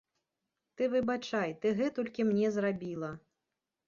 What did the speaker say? Ты выбачай, ты гэтулькі мне зрабіла!